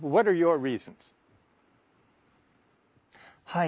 はい。